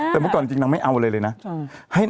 แต่เมื่อก่อนจริงนางไม่เอาอะไรเลยนะ